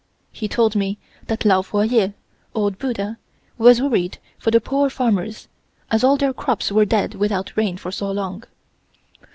He told me that Lao Fo Yeh (Old Buddha) was worried for the poor farmers, as all their crops were dead without rain for so long.